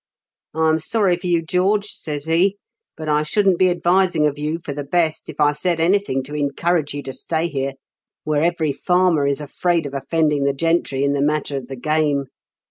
"* I am sorry for you, George/ says he ;* but I shouldn't be advising of you for the best if I said anything to encourage you to stay here, where every farmer is afraid of offending the gentry in the matter of the game.